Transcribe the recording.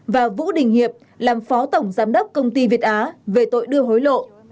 và vũ đình hiệp làm phó tổng giám đốc công ty việt á về tội đưa hối lộ